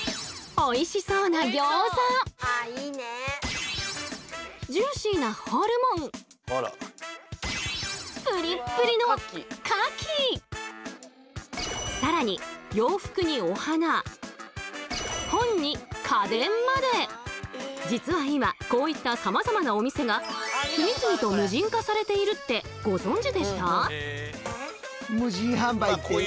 おいしそうなジューシーなぷりっぷりの更に実は今こういったさまざまなお店が次々と無人化されているってご存じでした？